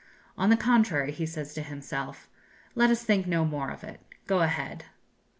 On the contrary, he says to himself, 'Let us think no more of it; go ahead!'